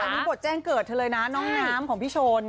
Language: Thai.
อันนี้บทแจ้งเกิดเธอเลยนะน้องน้ำของพี่โชน